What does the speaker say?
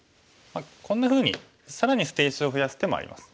こんなふうに更に捨て石を増やす手もあります。